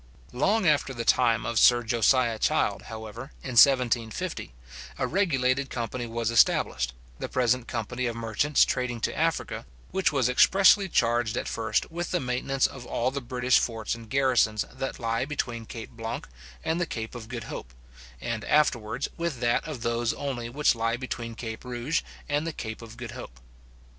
Long after the time of Sir Josiah Child, however, in 1750, a regulated company was established, the present company of merchants trading to Africa; which was expressly charged at first with the maintenance of all the British forts and garrisons that lie between Cape Blanc and the Cape of Good Hope, and afterwards with that of those only which lie between Cape Rouge and the Cape of Good Hope.